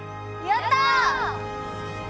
やった！